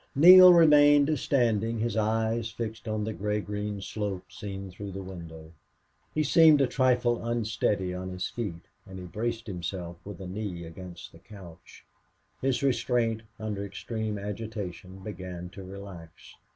Neale remained standing, his eyes fixed on the gray green slope, seen through the window. He seemed a trifle unsteady on his feet, and he braced himself with a knee against the couch. His restraint, under extreme agitation, began to relax.